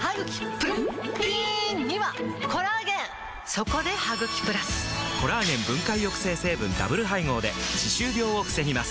そこで「ハグキプラス」！コラーゲン分解抑制成分ダブル配合で歯周病を防ぎます